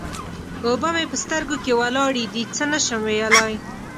اوبه مې په سترګو کې ولاړې دې؛ څه نه شم ويلای.